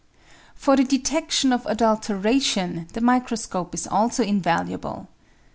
For the detection of adulteration the microscope is also in valuable.